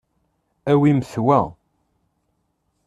Awimt wa.